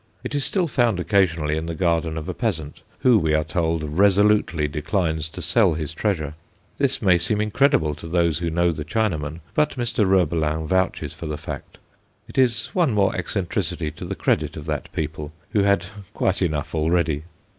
It is still found occasionally in the garden of a peasant, who, we are told, resolutely declines to sell his treasure. This may seem incredible to those who know the Chinaman, but Mr. Roebelin vouches for the fact; it is one more eccentricity to the credit of that people, who had quite enough already.